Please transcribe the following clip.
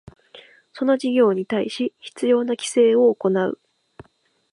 その事業に対し必要な規制を行う